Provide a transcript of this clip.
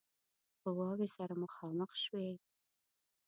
قواوې سره مخامخ شوې.